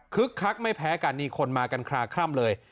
คักไม่แพ้กันนี่คนมากันคลาคล่ำเลย